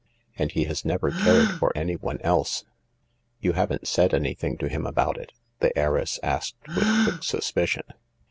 And he has never cared for anyone else." " You haven't said anything to him about it ?" the heiress asked with quick suspicion.